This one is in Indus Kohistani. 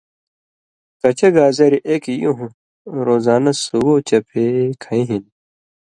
کچہ گازریۡ ایک یُون٘ہہۡ روزانہ سُگو چپے کَھیں ہِن